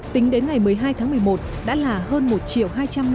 tính đến ngày một mươi hai tháng một mươi một đã là hơn một hai trăm năm mươi